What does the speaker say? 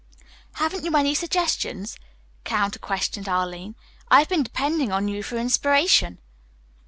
"Haven't you any suggestions?" counter questioned Arline. "I have been depending on you for inspiration."